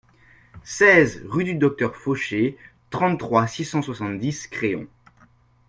seize rue du Docteur Fauché, trente-trois, six cent soixante-dix, Créon